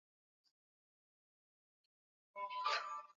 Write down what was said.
Ambaye kwa mara ya kwanza katika historia mnamo aliingiza sokoni albamu yake